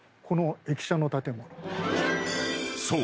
［そう。